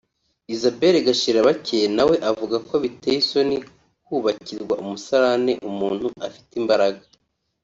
Isabelle Gashirabake na we avuga ko biteye isoni kubakirwa umusarane umuntu afite imbaraga